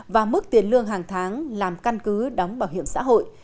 và mức tiền lương hàng tháng làm căn cứ đóng bảo hiểm xã hội